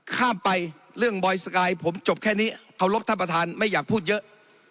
ข้ามไปเรื่องบอยสกายผมจบแค่นี้เคารพท่านประธานไม่อยากพูดเยอะ